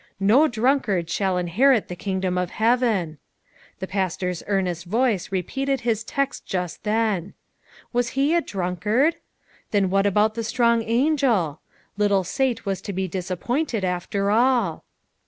"No drunkard shall inherit the kingdom of heaven!'* The minister's earnest voice repeated his text just then. Was he a drunkard? Then what about the strong angel? Little Sate was to be o o disappointed, after all